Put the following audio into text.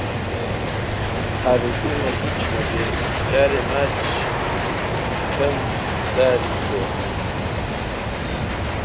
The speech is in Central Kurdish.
ئارەزوومە هیچ نەبێ جارێکی ماچ کەم زاری تۆ